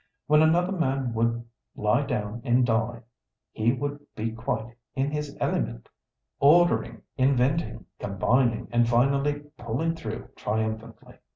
When another man would lie down and die, he would be quite in his element, ordering, inventing, combining, and finally pulling through triumphantly."